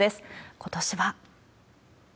ことしは。